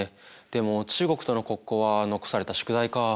でも中国との国交は残された宿題か。